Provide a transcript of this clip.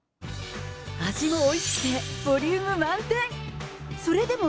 味もおいしくて、ボリューム満点。